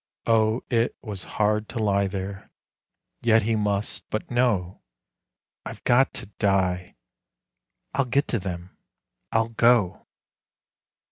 O it Was hard to lie there! Yet he must. But no: "I've got to die. I'll get to them. I'll go."